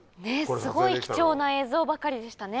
すごい貴重な映像ばかりでしたね。